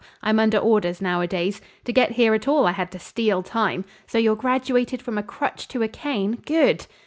I'm under orders nowadays. To get here at all I had to steal time. So you're graduated from a crutch to a cane? Good!"